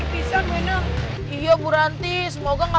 kali ada di mana